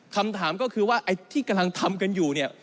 คำถามก็คือว่าไอ้ที่กำลังทำกันอยู่เนี่ย